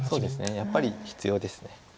やっぱり必要です。